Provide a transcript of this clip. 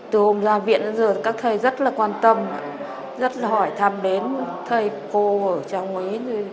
từ hôm ra viện đến giờ các thầy rất là quan tâm rất là hỏi thăm đến thầy cô ở trang ý